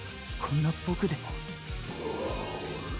こんな僕でも